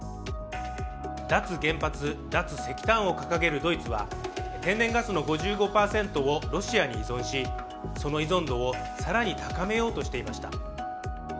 脱原発・脱石炭を掲げるドイツは天然ガスの５５％をロシアに依存し、その依存度を更に高めようとしていました。